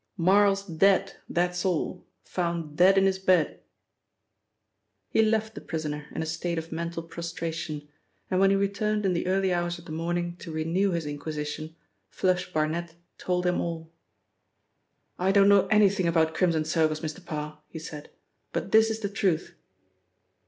"Marl's dead, that's all; found dead in his bed." He left the prisoner in a state of mental prostration, and when he returned in the early hours of the morning to renew his inquisition, 'Flush' Barnet told him all. "I don't know anything about Crimson Circles, Mr. Parr," he said, "but this is the truth."